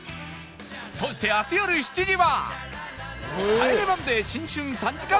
そして明日よる７時は